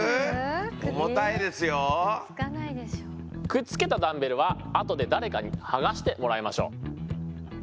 くっつけたダンベルはあとで誰かに剥がしてもらいましょう。